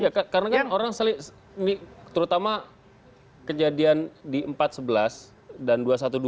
ya karena kan orang ini terutama kejadian di empat sebelas dan dua ratus dua belas